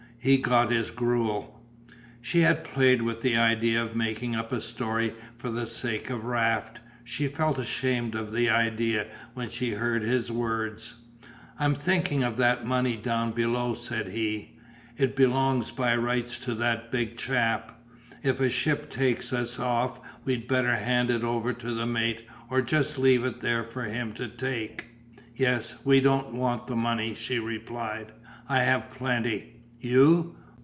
He got his gruel." She had played with the idea of making up a story for the sake of Raft; she felt ashamed of the idea when she heard his words. "I'm thinking of that money down below," said he, "it belonged by rights to that big chap. If a ship takes us off we'd better hand it over to the mate or just leave it there for him to take." "Yes, we don't want the money," she replied, "I have plenty." "You!